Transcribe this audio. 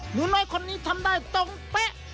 หนูน้อยคนนี้ทำได้ตรงเป๊ะ